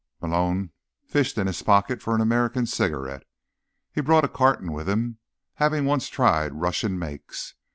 Malone fished in his pocket for an American cigarette. He'd brought a carton with him, having once tried Russian makes.